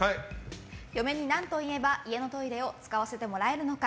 嫁に何ていえば家のトイレを使わせてもらえるのか？